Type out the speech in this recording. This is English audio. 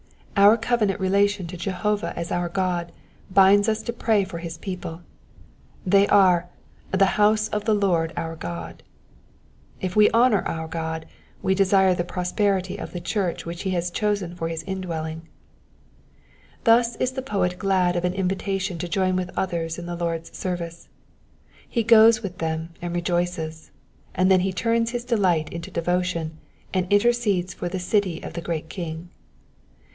Our covenant relation to Jehovah as our God binds us to pray for his people, — ^they are the house of the Lord our God." If we honour our Goa we desire the prosperity of the church which he has chosen for his indwelling. Thus is the poet glad of an invitation to join with others in the Lord's service. He goes with them and rejoices, and then he turns his delight into devotion, and intercedes for the city of the great King.